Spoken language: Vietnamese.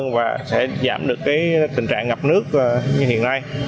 và sẽ giảm được tình trạng ngập nước như hiện nay